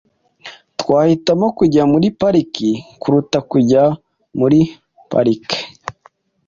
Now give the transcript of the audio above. Twahitamo kujya muri pariki kuruta kujya muri parike.